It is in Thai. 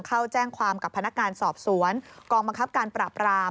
เข้าแจ้งความกับพนักงานสอบสวนกองบังคับการปราบราม